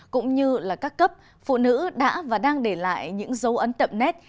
cũng như là các cấp phụ nữ đã và đang để lại những dấu ấn tậm nét